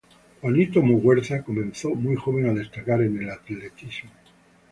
Juanito Muguerza comenzó muy joven a destacar en el atletismo.